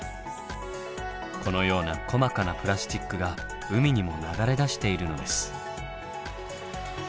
このような細かなプラスチックが海にも流れ出しているのです。